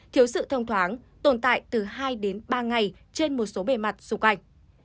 thiếu sự thông thoáng tồn tại từ hai đến ba ngày trên một số bề mặt xung quanh